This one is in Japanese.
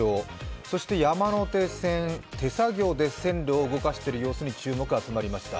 そして山手線、手作業で線路を動かしている様子に注目が集まりました。